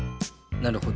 なるほど！